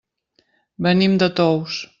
Venim de Tous.